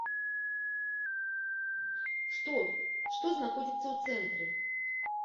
Што, што знаходзіцца ў цэнтры?